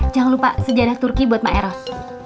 jangan lupa sejarah turki buat maeros